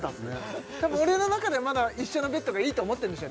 多分俺の中ではまだ一緒のベッドがいいと思ってんでしょうね